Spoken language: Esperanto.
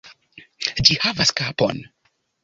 Ĝi havas kapon!